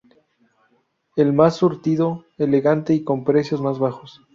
El más surtido, elegante y con precios más bajos.